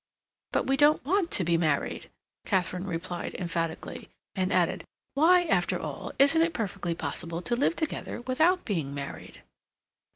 "But we don't want to be married," Katharine replied emphatically, and added, "Why, after all, isn't it perfectly possible to live together without being married?"